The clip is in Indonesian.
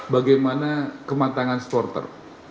bagaimana kematangan sporter